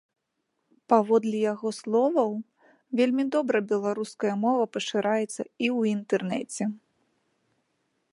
Паводле яго словаў, вельмі добра беларуская мова пашыраецца і ў інтэрнэце.